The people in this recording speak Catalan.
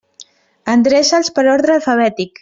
Endreça'ls per ordre alfabètic.